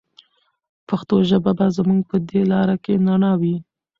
پښتو ژبه به زموږ په دې لاره کې رڼا وي.